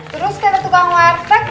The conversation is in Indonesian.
terus kalau tukang warteg